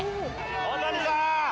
大谷さん！